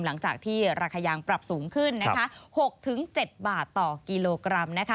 หลังจากที่ราคายางปรับสูงขึ้น๖๗บาทต่อกิโลกรัม